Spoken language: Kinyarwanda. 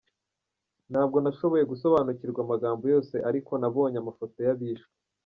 Ntabwo nashoboye gusobanukirwa amagambo yose ariko nabonye amafoto y’abishwe.